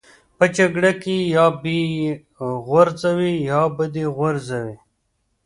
په جګړه کې یا به یې غورځوې یا به دې غورځوي